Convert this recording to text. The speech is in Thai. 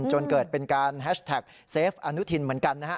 จนเกิดเป็นการแฮชแท็กเซฟอนุทินเหมือนกันนะฮะ